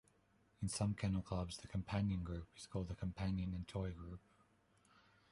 In some kennel clubs the "Companion Group" is called the "Companion and Toy Group".